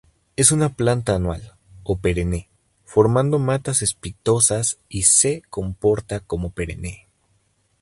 Es una planta anual, o perenne; formando matas cespitosas si see comporta como perenne.